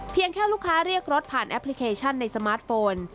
แค่ลูกค้าเรียกรถผ่านแอปพลิเคชันในสมาร์ทโฟน